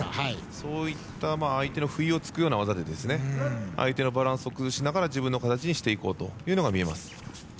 そういった相手の不意をつくような技で相手のバランスを崩しながら自分の形にしていこうというのが見えます。